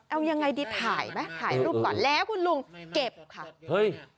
เอายังไงดีถ่ายไหมถ่ายรูปก่อนแล้วคุณลุงเก็บค่ะเฮ้ย